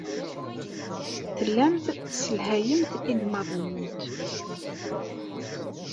Tellamt tesselhayemt igmaḍ-nwent.